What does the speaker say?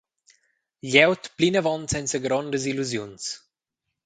Glieud plinavon senza grondas illusiuns.